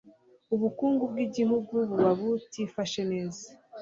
ubukungu bw'igihugu buba butifashe neza